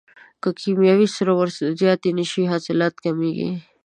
که کیمیاوي سرې ور زیاتې نشي حاصلات کمیږي.